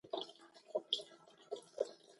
د غزني د محمود د مقبرې ډبرې د هند څخه راوړل شوې وې